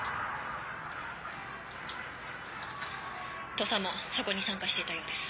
土佐もそこに参加していたようです。